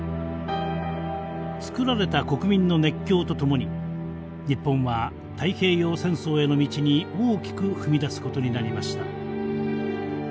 作られた国民の熱狂とともに日本は太平洋戦争への道に大きく踏み出すことになりました。